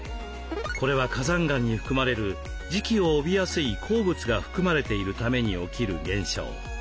これは火山岩に含まれる磁気を帯びやすい鉱物が含まれているために起きる現象。